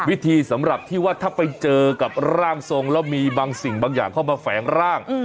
วิธีสำหรับที่ว่าถ้าไปเจอกับร่างทรงแล้วมีบางสิ่งบางอย่างเข้ามาแฝงร่าง